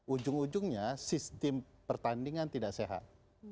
ujung ujungnya sistem pertandingan tidak sehat